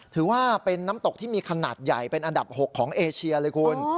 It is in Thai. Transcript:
ถือว่าเป็นน้ำตกที่มีขนาดใหญ่เป็นอันดับ๖ของเอเชียเลยคุณ